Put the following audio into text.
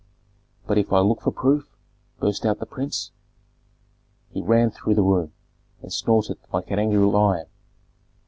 "But if I look for proof?" burst out the prince. He ran through the room, and snorted like an angry lion.